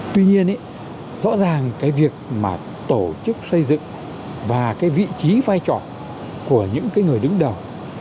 tuy nhiên rõ ràng việc tổ chức xây dựng và vị trí vai trò của những người đứng đầu